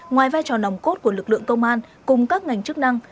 ngoài vai trò nòng cốt của lực lượng công an cùng các ngành chức năng